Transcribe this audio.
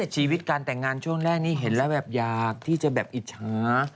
ชีวิตการแต่งงานช่วงแรกนี้เห็นแล้วแบบอยากที่จะแบบอิจฉา